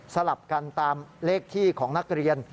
ลับกันตามเลขที่ของนักเรียน